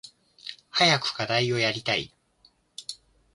早く課題をやりたい。